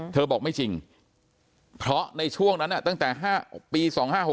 บอกไม่จริงเพราะในช่วงนั้นตั้งแต่๕ปี๒๕๖๖